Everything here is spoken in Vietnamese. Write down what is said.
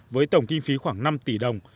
với tổng kinh phí khoảng năm tỷ đồng